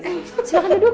eh silahkan duduk